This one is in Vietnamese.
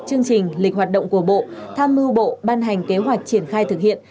chương trình lịch hoạt động của bộ tham mưu bộ ban hành kế hoạch triển khai thực hiện